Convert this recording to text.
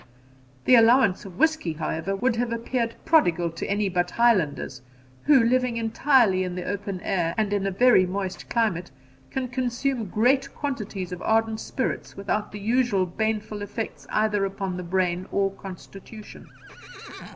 The allowance of whisky, however, would have appeared prodigal to any but Highlanders, who, living entirely in the open air and in a very moist climate, can consume great quantities of ardent spirits without the usual baneful effects either upon the brain or constitution.